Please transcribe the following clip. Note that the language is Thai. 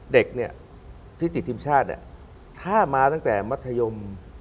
เด็กเนี่ยที่ติดทีมชาติเนี่ยถ้ามาตั้งแต่มัธยม